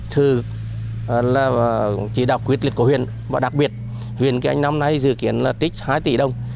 sự chỉ đạo quyết định của huyền và đặc biệt huyền anh năm nay dự kiến là tích hai tỷ đồng